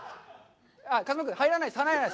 風間君、入らない。